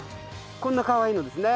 こんなかわいいのですね。